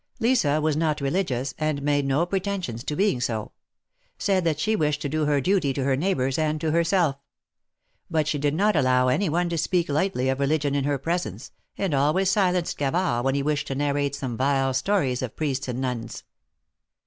Lisa was not religious, and made no pretensions to being so ; said that she wished to do her duty to her neighbors and to herself. But she did not allow any one to speak lightly of religion in her presence, and always silenced Gavard when he wished to narrate some vile stories of Priests and Nuns.